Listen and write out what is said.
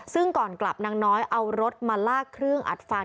ซึ่งก่อนกลับนางน้อยเอารถมาลากเครื่องอัดฟัน